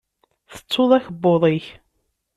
Tettuḍ akebbuḍ-ik.